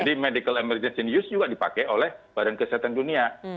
jadi medical emergency in use juga dipakai oleh badan kesehatan dunia